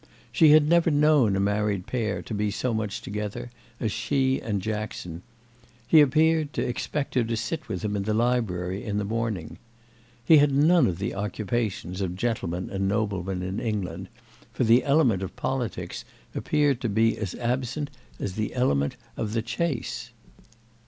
She had never known a married pair to be so much together as she and Jackson; he appeared to expect her to sit with him in the library in the morning. He had none of the occupations of gentlemen and noblemen in England, for the element of politics appeared to be as absent as the element of the chase.